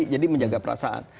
jadi menjaga perasaan